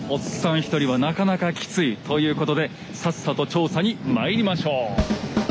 一人はなかなかきついということでさっさと調査にまいりましょう。